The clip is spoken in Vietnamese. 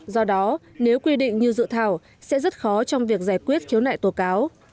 do đó nếu quy định như dự thảo sẽ rất khó trong việc giải quyết khiếu nại tố cáo